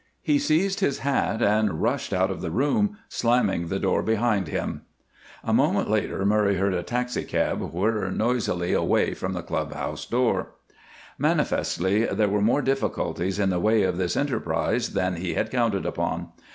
He seized his hat and rushed out of the room, slamming the door behind him. A moment later Murray heard a taxi cab whir noisily away from the club house door. Manifestly, there were more difficulties in the way of this enterprise than he had counted upon.